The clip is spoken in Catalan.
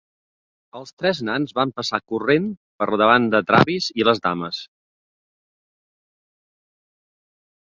Els tres nans van passar corrent per davant de Travis i les dames.